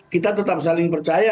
kita tetap saling percaya